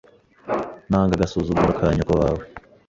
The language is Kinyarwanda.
nanga agasuzuguro ka nyoko wawe